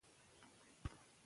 که پښتو وي، نو شک نه پیدا کیږي.